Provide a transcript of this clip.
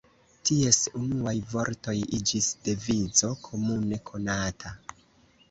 Ties unuaj vortoj iĝis devizo komune konata.